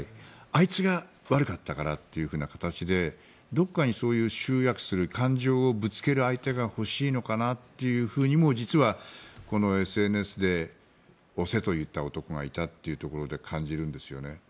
あいつが悪かったからという形でどこかに集約する感情をぶつける相手が欲しいのかなというふうにも実は、このＳＮＳで押せと言った男がいたというところで感じるんですよね。